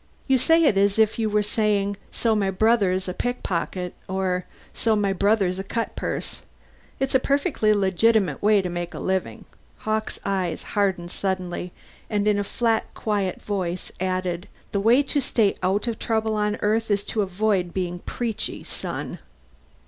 "You say it as if you were saying, so my brother's a pickpocket, or so my brother's a cutpurse. It's a perfectly legitimate way of making a living." Hawkes' eyes hardened suddenly, and in a flat quiet voice added, "The way to stay out of trouble on Earth is to avoid being preachy, son.